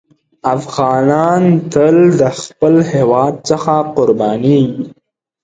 افغانان تل د خپل هېواد څخه قربانېږي.